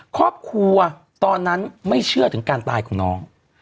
ครอบครัวตอนนั้นไม่เชื่อถึงการตายของน้อง